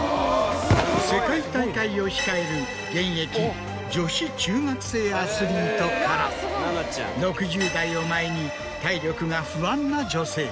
世界大会を控える現役女子中学生アスリートから６０代を前に体力が不安な女性